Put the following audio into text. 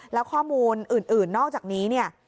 แล้วข้อมูลอื่นนอกจากนี้เนี่ย